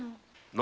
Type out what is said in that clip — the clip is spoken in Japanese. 何？